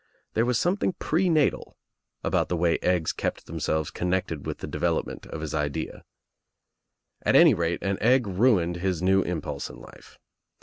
There was something pre natal about the way eggs kept themselves con ^ nected with the development of his idea. At any rate an egg ruined his new impulse in life.